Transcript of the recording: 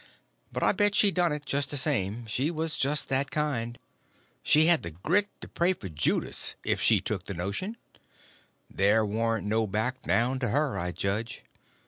But I bet she done it, just the same—she was just that kind. She had the grit to pray for Judus if she took the notion—there warn't no back down to her, I judge.